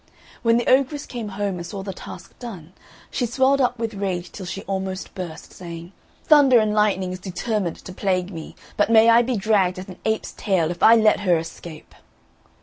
When the ogress came home and saw the task done, she swelled up with rage till she almost burst, saying, "Thunder and Lightning is determined to plague me, but may I be dragged at an ape's tail if I let her escape!"